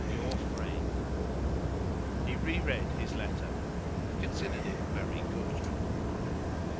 "Your friend." He re read his letter. He considered it very good.